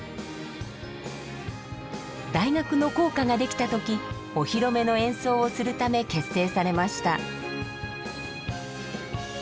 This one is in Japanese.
大学の校歌ができた時お披露目の演奏をするため結成されました。